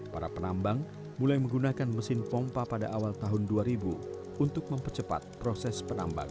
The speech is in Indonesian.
para penambang mulai menggunakan mesin pompa pada awal tahun dua ribu untuk mempercepat proses penambangan